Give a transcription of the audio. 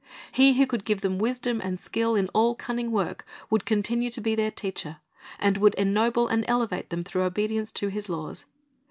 He who could give them wisdom and skill in all cunning work would continue to be their teacher, and would ennoble and elevate them through obedience to His laws.